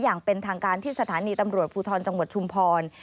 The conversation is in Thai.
อย่างเป็นทางการที่สถานีตำรวจภูทรจังหวัดชุมพร